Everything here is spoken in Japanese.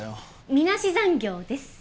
みなし残業です。